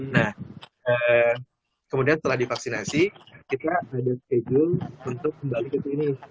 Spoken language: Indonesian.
nah kemudian setelah divaksinasi kita ada schedule untuk kembali ke sini